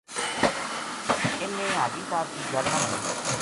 اِنھ نے حاجی صاحب کی گل نہ منی